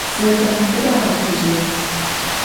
Zexamıxıre a'otejırep.